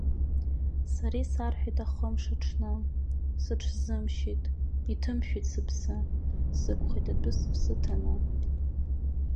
Сара исарҳәеит ахымш аҽны, сыҽсзымшьит, иҭымшәеит сыԥсы, сықәхеит адәы сыԥсы ҭаны.